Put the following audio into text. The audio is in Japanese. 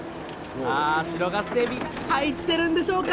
さあ白ガスエビ入ってるんでしょうか？